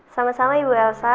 sama sama ibu elsa